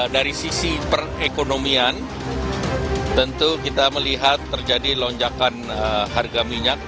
dari sisi perekonomian tentu kita melihat terjadi lonjakan harga minyak